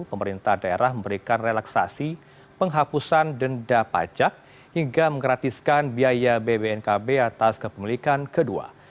pemerintah daerah memberikan relaksasi penghapusan denda pajak hingga menggratiskan biaya bbnkb atas kepemilikan kedua